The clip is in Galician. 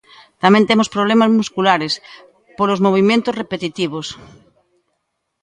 Tamén temos problemas musculares, polos movementos repetitivos.